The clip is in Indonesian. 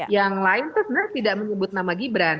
yang lain itu sebenarnya tidak menyebut nama gibran